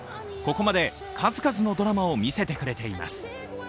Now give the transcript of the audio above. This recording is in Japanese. ここまで数々のドラマを見せてくれています。